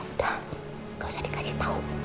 udah nggak usah dikasih tau